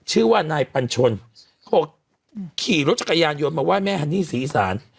ชื่อว่านายปัญชนเขาบอกขี่รถจักรยานยนต์มาไหว้แม่ฮันนี่ศรีอีสาน